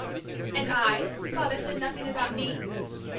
'" "And I? Father said nothing about me?"